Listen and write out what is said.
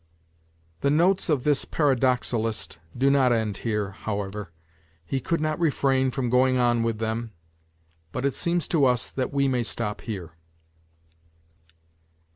[The notes of this paradoxalist do not end here, Jwwever. He could not refrain from going on with them, but it seems to us that we may stop here.